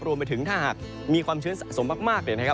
รวมไปถึงถ้าหากมีความชื้นสะสมมากเนี่ยนะครับ